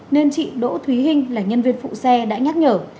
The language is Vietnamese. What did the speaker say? nên chị đỗ thúy hinh là nhân viên phụ xe đã nhắc nhở